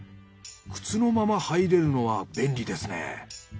靴のまま入れるのは便利ですね。